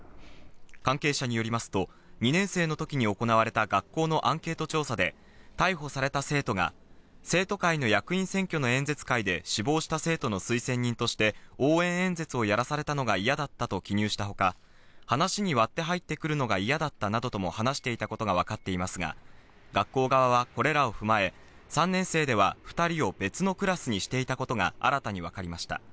関係者によりますと、２年生の時に行われた学校のアンケート調査で逮捕された生徒が生徒会の役員選挙の演説会で死亡した生徒の推薦人として応援演説をやらされたのが嫌だったと記入し、話に割って入ってくるのが嫌だったなどとも話していたことがわかっていますが、学校側はこれらを踏まえ、３年生では２人を別のクラスにしていたことが新たに分かりました。